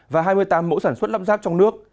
và hai mươi tám mẫu sản xuất lắp ráp trong nước